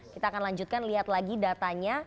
kita akan lanjutkan lihat lagi datanya